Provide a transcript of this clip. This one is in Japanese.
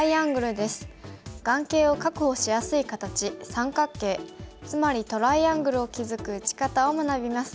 眼形を確保しやすい形三角形つまりトライアングルを築く打ち方を学びます。